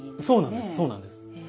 そうなんです。